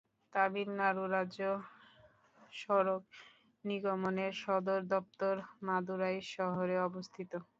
তামিলনাড়ু রাজ্য সড়ক নিগমের সদর দপ্তর মাদুরাই শহরে অবস্থিত।